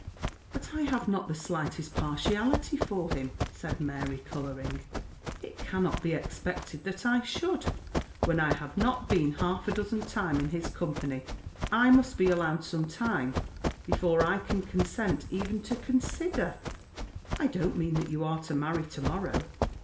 "But I have not the slightest partiality for him," said Mary, colouring. "It cannot be expected that I should, when I have not been half a dozen time in his company. I must be allowed some time before I can consent even to consider " "I don't mean that you are to marry to morrow.